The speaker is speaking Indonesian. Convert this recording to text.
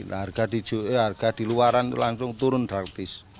nah harga di luaran itu langsung turun drastis